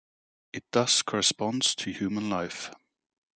It thus corresponds to human life.